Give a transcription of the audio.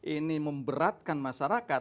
ini memberatkan masyarakat